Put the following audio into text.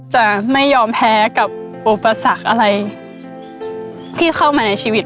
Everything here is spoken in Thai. จะไม่ยอมแพ้กับอุปสรรคอะไรที่เข้ามาในชีวิต